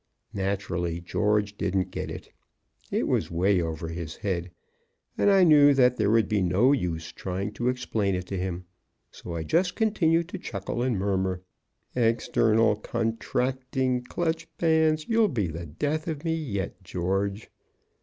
Naturally George didn't get it. It was 'way over his head, and I knew that there would be no use trying to explain it to him. So I just continued to chuckle and murmur: "External contracting clutch bands! You'll be the death of me yet, George!"